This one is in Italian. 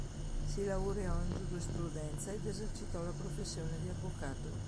Si laureò in giurisprudenza ed esercitò la professione di avvocato.